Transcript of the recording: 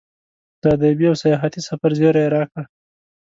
د ادبي او سیاحتي سفر زیری یې راکړ.